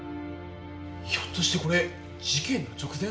ひょっとしてこれ事件の直前？